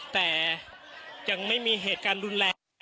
แต่ยังไม่มีเหตุการณ์รุนแรง